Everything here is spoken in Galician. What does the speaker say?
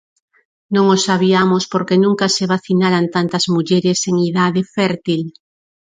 Non o sabiamos porque nunca se vacinaran tantas mulleres en idade fértil.